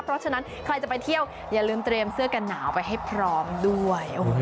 เพราะฉะนั้นใครจะไปเที่ยวอย่าลืมเตรียมเสื้อกันหนาวไปให้พร้อมด้วย